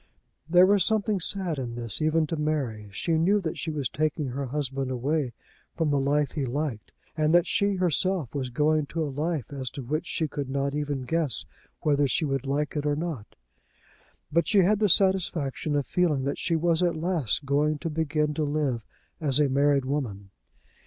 There was something sad in this, even to Mary. She knew that she was taking her husband away from the life he liked, and that she, herself, was going to a life as to which she could not even guess, whether she would like it or not. But she had the satisfaction of feeling that she was at last going to begin to live as a married woman.